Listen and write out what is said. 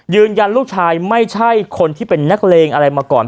ยืนยันลูกชายไม่ใช่คนที่เป็นนักเลงอะไรมาก่อน